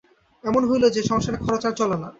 এমন হইল যে, সংসারের খরচ আর চলে না।